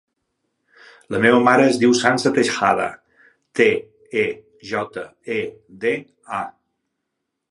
La meva mare es diu Sança Tejeda: te, e, jota, e, de, a.